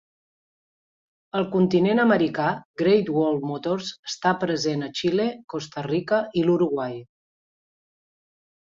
Al continent americà, Great Wall Motors està present a Xile, Costa Rica i l'Uruguai.